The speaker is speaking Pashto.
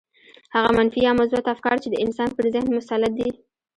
هغه منفي يا مثبت افکار چې د انسان پر ذهن مسلط دي.